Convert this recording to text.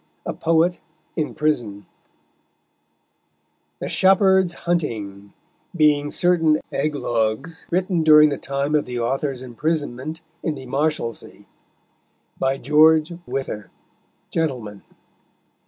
A POET IN PRISON THE SHEPHEARDS HUNTING: _being Certain Eglogues written during the time of the Authors Imprisonment in the Marshalsey. By George Wyther, Gentleman.